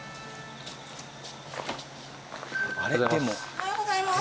おはようございます。